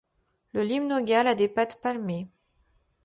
Le limnogale a des pattes palmées.